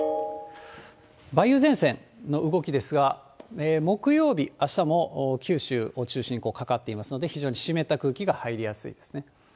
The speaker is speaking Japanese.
梅雨前線の動きですが、木曜日、あしたも九州を中心にかかっていますので、非常に湿った空気が入りやすいですね。